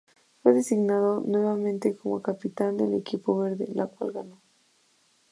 Fue designado nuevamente como capitán del equipo verde, la cual ganó.